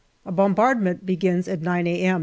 A bombardment begins at 9 a.m.